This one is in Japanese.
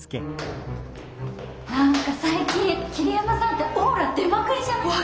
何か最近桐山さんってオーラ出まくりじゃない？